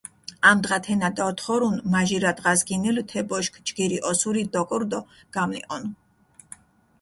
ამდღა თენა დოთხორუნ, მაჟირა დღას გინილჷ თე ბოშქ, ჯგირი ოსური დოგორჷ დო გამნიჸონჷ.